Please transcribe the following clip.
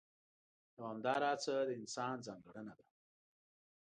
دوامداره هڅه د انسان ځانګړنه ده.